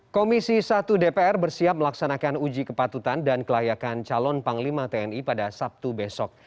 komisi satu dpr bersiap melaksanakan uji kepatutan dan kelayakan calon panglima tni pada sabtu besok